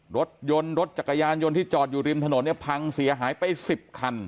รถยนต์รถจักรยานยนต์ที่จอดอยู่ริมถนนเนี่ยพังเสียหายไป๑๐คัน